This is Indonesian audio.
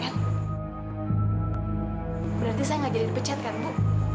berarti saya nggak jadi dipecat kan bu